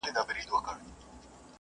تاریخي کور پخوانی وو د نسلونو !.